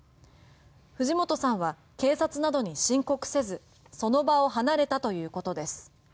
藤本さんは警察などに申告せずその場を離れたということです。